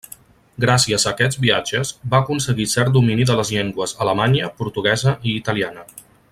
Gràcies a aquests viatges va aconseguir cert domini de les llengües alemanya, portuguesa i italiana.